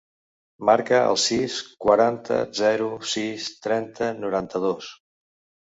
Marca el sis, quaranta, zero, sis, trenta, noranta-dos.